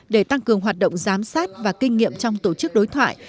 để tăng cường hoạt động giám sát và kinh nghiệm trong tổ chức đối thoại